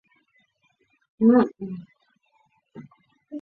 在场上的位置是边锋或前锋。